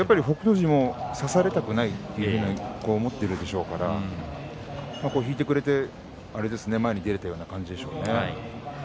富士も差されたくないと思ってるでしょうから引いてくれて前に出られたような感じですね。